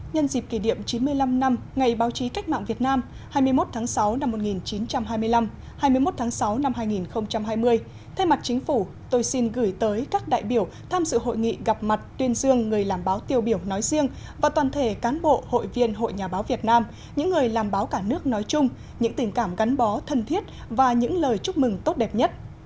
nhân dịp kỷ niệm chín mươi năm năm ngày báo chí cách mạng việt nam hai mươi một tháng sáu năm một nghìn chín trăm hai mươi năm hai mươi một tháng sáu năm hai nghìn hai mươi thay mặt chính phủ tôi xin gửi tới các đại biểu tham dự hội nghị gặp mặt tuyên dương người làm báo tiêu biểu nói riêng và toàn thể cán bộ hội viên hội nhà báo việt nam những người làm báo cả nước nói chung những tình cảm gắn bó thân thiết và những lời chúc mừng tốt đẹp nhất